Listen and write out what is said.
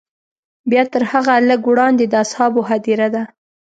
بیا تر هغه لږ وړاندې د اصحابو هدیره ده.